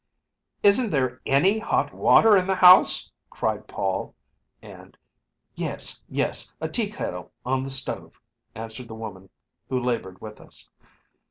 "Isn't there any hot water in the house?" cried Paul, and "Yes, yes; a tea kettle on the stove!" answered the woman who labored with us.